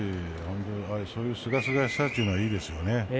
そういうすがすがしさというのはいいですよね。